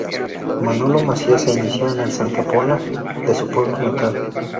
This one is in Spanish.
Manolo Maciá se inició en el Santa Pola de su pueblo natal.